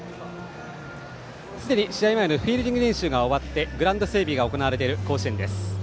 すでに試合前のフィールディング練習が終わってグラウンド整備が行われている甲子園です。